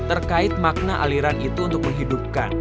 terkait makna aliran itu untuk menghidupkan